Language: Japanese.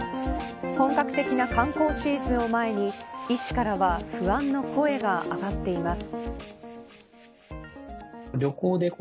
本格的な観光シーズンを前に医師からは不安の声が上がっています。